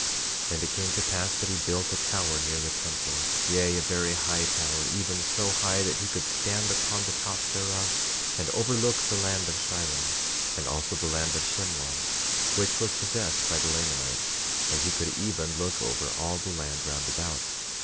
11:12 And it came to pass that he built a tower near the temple; yea, a very high tower, even so high that he could stand upon the top thereof and overlook the land of Shilom, and also the land of Shemlon, which was possessed by the Lamanites; and he could even look over all the land round about.